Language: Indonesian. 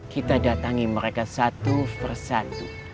kita datangi mereka satu persatu